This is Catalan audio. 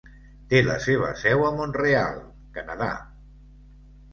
Té la seva seu a Mont-real, Canadà.